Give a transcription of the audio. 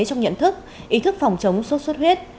trong nhận thức ý thức phòng chống suốt suốt huyết